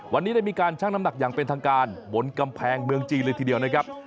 วันนี้ได้มีการชั่งน้ำหนักอย่างเป็นทางการบนกำแพงเมืองจีนเลยทีเดียวนะครับ